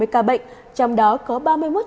bảy mươi ca bệnh trong đó có ba mươi ca bệnh